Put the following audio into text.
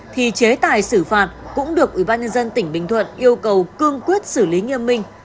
thì chế tài xử phạt cũng được ủy ban nhân dân tỉnh bình thuận yêu cầu cương quyết xử lý nghiêm minh